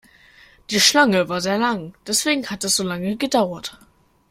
Die Schlange war sehr lang, deswegen hat es so lange gedauert.